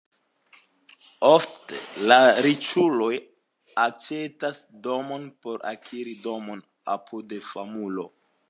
Ofte la riĉuloj aĉetas domon por akiri domon apud famulo.